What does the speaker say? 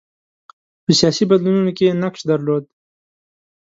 په سیاسي بدلونونو کې یې نقش درلود.